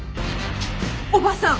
おばさん。